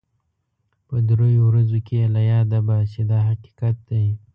په دریو ورځو کې یې له یاده باسي دا حقیقت دی.